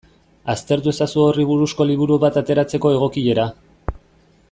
Aztertu ezazu horri buruzko liburu bat ateratzeko egokiera.